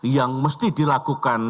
yang mesti dilakukan